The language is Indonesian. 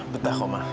betah kok ma